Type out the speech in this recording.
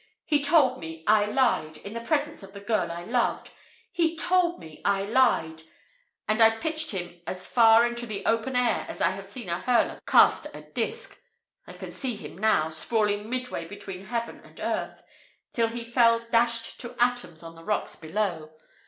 He told me, I lied, in the presence of the girl I loved he told me, I lied; and I pitched him as far into the open air as I have seen a hurler cast a disk. I can see him now, sprawling midway between heaven and earth, till he fell dashed to atoms on the rocks below.